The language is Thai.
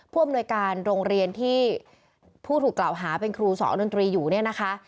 ผู้อำนวยการโรงเรียนที่ผู้ถูกกล่าวหาเป็นครูสอนดนตรีอยู่เนี่ยนะคะ